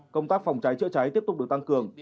công tác phòng cháy chữa cháy tiếp tục được tăng cường